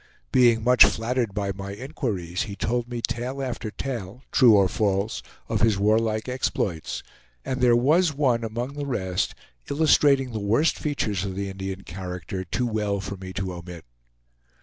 Being much flattered by my inquiries he told me tale after tale, true or false, of his warlike exploits; and there was one among the rest illustrating the worst features of the Indian character too well for me to omit.